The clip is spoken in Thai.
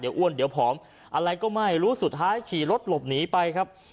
เดี๋ยวอ้วนเดี๋ยวผอมอะไรก็ไม่รู้สุดท้ายขี่รถหลบหนีไปครับ